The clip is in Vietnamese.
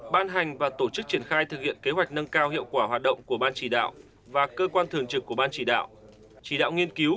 sáu ban hành và tổ chức triển khai thực hiện kế hoạch nâng cao hiệu quả hoạt động của ban chỉ đạo và cơ quan thường trực của ban chỉ đạo